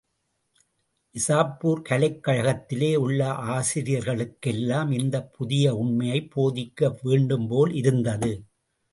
நிசாப்பூர் கலைக் கழகத்திலே உள்ள ஆசிரியர்களுக்கெல்லாம் இந்தப் புதிய உண்மையைப் போதிக்க வேண்டும்போல் இருந்தது.